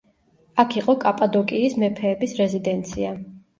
აქ იყო კაპადოკიის მეფეების რეზიდენცია.